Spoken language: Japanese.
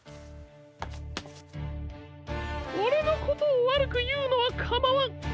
オレのことをわるくいうのはかまわん。